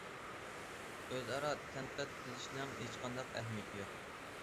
ئۆز ئارا تەنقىد قىلىشنىڭ ھېچقانداق ئەھمىيىتى يوق.